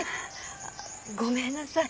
ごめんなさい。